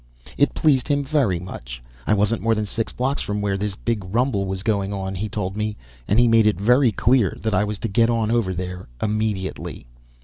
It pleased him very much; I wasn't more than six blocks from where this big rumble was going on, he told me, and he made it very clear that I was to get on over there immediately.